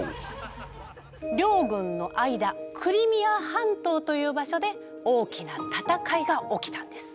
両軍の間クリミア半島という場所で大きな戦いが起きたんです。